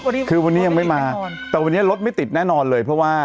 วันนี้คือวันนี้ยังไม่มาแต่วันนี้รถไม่ติดแน่นอนเลยเพราะว่า